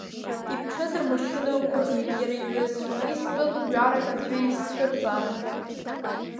Иԥҽыз рмашьына ықәыргеит иара иҩызцәа, уи зтәыз гәҩарак аӡәы изцәырҵаанӡа.